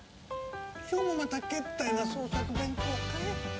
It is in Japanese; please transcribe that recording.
今日もまたけったいな創作弁当かい？